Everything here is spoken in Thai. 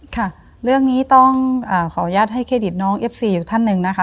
ค่ะเรื่องนี้ต้องขออนุญาตให้เครดิตน้องเอฟซีอยู่ท่านหนึ่งนะคะ